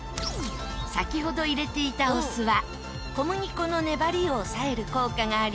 先ほど入れていたお酢は小麦粉の粘りを抑える効果があり。